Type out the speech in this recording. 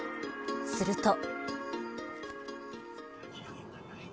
すると。